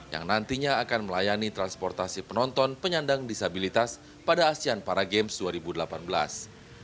yang nantinya akan melayani transportasi penonton penyandang disabilitas pada asean para games dua ribu delapan belas